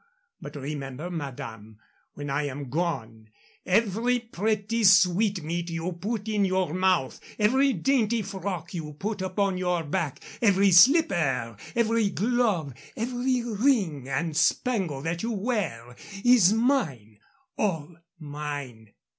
But remember, madame, when I am gone every pretty sweetmeat you put in your mouth, every dainty frock you put upon your back, every slipper, every glove, every ring and spangle that you wear, is mine all mine."